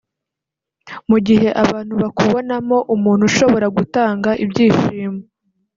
Mu gihe abantu bakubonamo umuntu ushobora gutanga ibyishimo